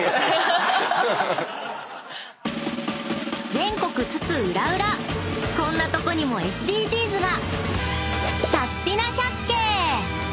［全国津々浦々こんなとこにもＳＤＧｓが！］